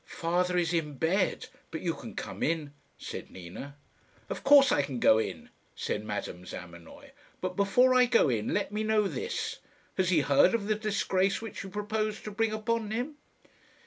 "Father is in bed, but you can come in," said Nina. "Of course I can go in," said Madame Zamenoy, "but before I go in let me know this. Has he heard of the disgrace which you purpose to bring upon him?"